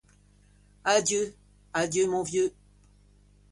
Adieu, adieu, mon vieux.